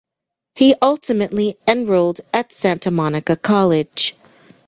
He ultimately enrolled at Santa Monica College.